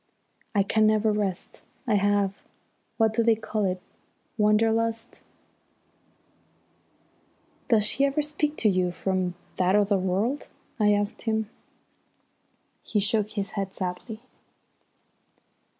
I can never rest. I have what do they call it Wanderlust?" "Does she ever speak to you from that other world?" I asked him. He shook his head sadly.